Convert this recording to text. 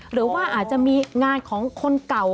หรือว่าอาจจะมีงานของคนเก่า